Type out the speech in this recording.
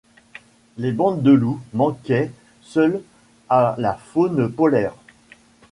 Les bandes de loups manquaient seules à la faune polaire.